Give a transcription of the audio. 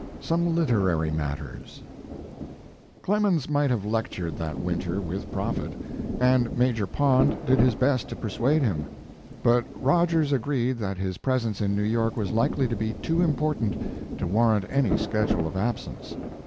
SOME LITERARY MATTERS Clemens might have lectured that winter with profit, and Major Pond did his best to persuade him; but Rogers agreed that his presence in New York was likely to be too important to warrant any schedule of absence.